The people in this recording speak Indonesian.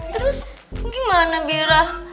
terus gimana bira